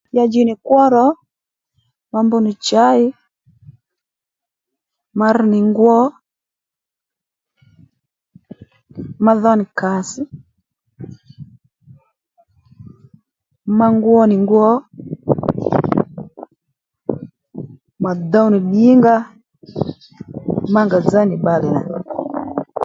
Ya ji nì kwó ro ma mbr nì chǎy ma rr nì ngwo madho nì kàss ma ngwo nì ngwo mà dow nì ddìnga mǎngà dzá nì bbalè nà